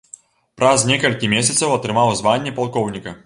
Праз некалькі месяцаў атрымаў званне палкоўніка.